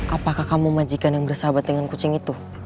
apakah kamu majikan yang bersahabat dengan kucing itu